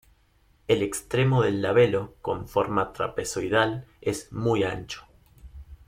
El extremo del labelo con forma trapezoidal es muy ancho.